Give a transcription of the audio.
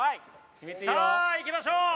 さあいきましょう！